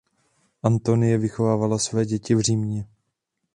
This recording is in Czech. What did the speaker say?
Antonie vychovávala své děti v Římě.